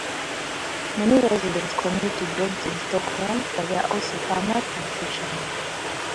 Many residents commute to jobs in Stockholm, but there are also farmers and fishermen.